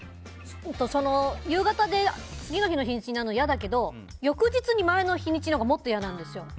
夕方で次の日の日にちになるのは嫌だけど翌日に前の日にちなほうが嫌なんですよ。